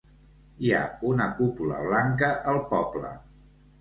Hi ha una cúpula blanca al poble.